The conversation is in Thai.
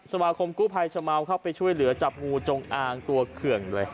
สมาคมกู้ภัยชะเมาเข้าไปช่วยเหลือจับงูจงอางตัวเคืองเลย